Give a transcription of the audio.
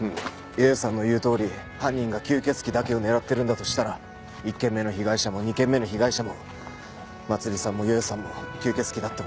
よよさんの言うとおり犯人が吸血鬼だけを狙ってるんだとしたら１件目の被害者も２件目の被害者もまつりさんもよよさんも吸血鬼だって事になるよね。